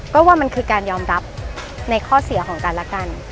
ก็ว่ามันคือการยอมรับในข้อเสียของกันและกัน